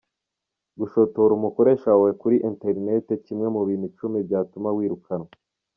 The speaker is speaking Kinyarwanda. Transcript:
Gushotora umukoresha wawe kuri ‘interinete’ kimwe mu bintu icumi byatuma wirukanwa